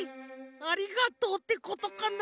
「ありがとう」ってことかな？